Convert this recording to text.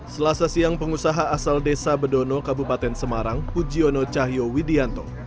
selasa siang pengusaha asal desa bedono kabupaten semarang pujiono cahyo widianto